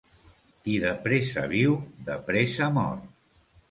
Qui de pressa viu, de pressa mor.